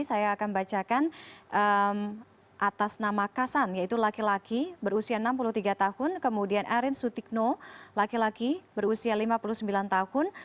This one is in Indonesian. saya akan bacakan atas nama kasan yaitu laki laki berusia enam puluh tiga tahun kemudian erin sutikno laki laki berusia lima puluh sembilan tahun